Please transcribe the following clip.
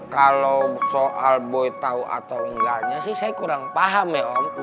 kalau soal boy tahu atau enggaknya sih saya kurang paham ya om